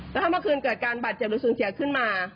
แล้วถ้าเมื่อคืนเกิดการบาดเจ็บหรือสูญเสียขึ้นมา